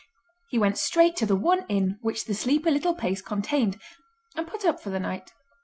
He went straight to the one inn which the sleepy little place contained, and put up for the night.